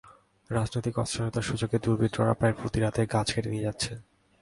রাজনৈতিক অস্থিরতার সুযোগে দুর্বৃত্তরা প্রায় প্রতি রাতেই গাছ কেটে নিয়ে যাচ্ছে।